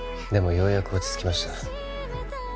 ようやく落ち着きました